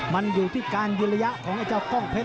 มันอยู่ที่การยืนระยะของไอ้เจ้ากล้องเพชร